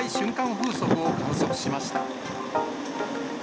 風速を観測しました。